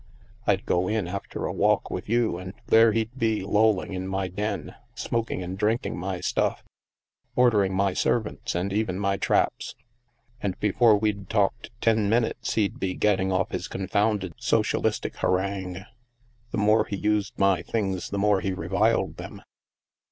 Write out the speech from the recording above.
I'd go in, after a walk with you, and there he'd be lolling in my den, smoking and drink ing my stuff, ordering my servants and even my STILL WATERS 97 traps, and before we'd talked ten minutes he'd be getting off his confounded socialistic harangue. The more he used my things, the more he reviled them."